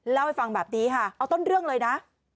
เล่าให้ฟังแบบนี้ค่ะเอาต้นเรื่องเลยนะ